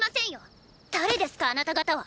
誰ですかあなた方は？